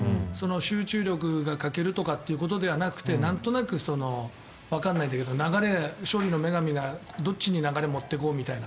集中力が欠けるとかいうことではなくてなんとなくわかんないんだけど勝利の女神がどっちに流れを持っていこうみたいな。